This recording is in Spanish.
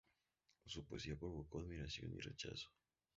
Su poesía provocó admiración y rechazo.